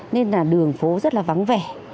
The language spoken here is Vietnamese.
nên là đường phố rất là vắng vẻ